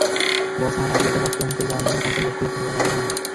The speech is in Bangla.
বস আমার আইডিয়াটা বাস্তবায়ন করলে আমাদের কোম্পানি লক্ষ লক্ষ টাকা লাভবান হবে।